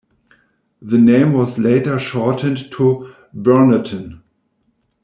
The name was later shortened to "burnotan".